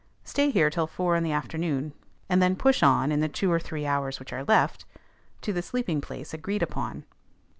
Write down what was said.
Stay here till four in the afternoon, and then push on in the two or three hours which are left to the sleeping place agreed upon.